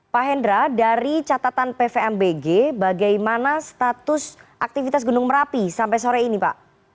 pak hendra dari catatan pvmbg bagaimana status aktivitas gunung merapi sampai sore ini pak